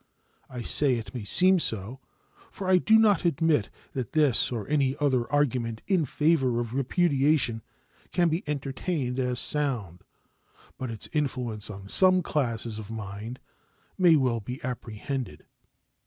I say it may seem so, for I do not admit that this or any other argument in favor of repudiation can be entertained as sound; but its influence on some classes of minds may well be apprehended.